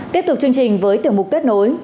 tiếp tục chương trình với tiểu mục kết nối